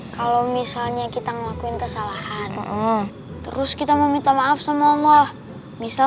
kalau misalnya kita ngelakuin kesalahan terus kita meminta maaf sama allah misal